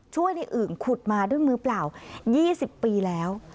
ช่วยในอึ่งขุดมาด้วยมือเปล่า๒๐ปีแล้ว